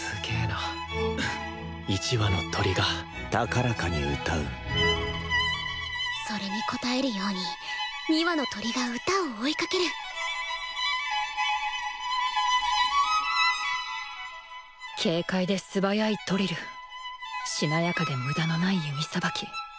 １羽の鳥が高らかに歌うそれに応えるように２羽の鳥が歌を追いかける軽快で素早いトリルしなやかで無駄のない弓さばき。